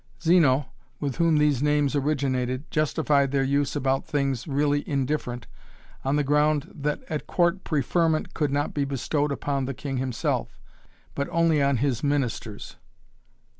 Zeno, with whom these names originated, justified their use about things really indifferent on the ground that at court "preferment" could not be bestowed upon the king himself, but only on his ministers.